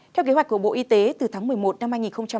theo kế hoạch của bộ y tế từ tháng một mươi một năm hai nghìn hai mươi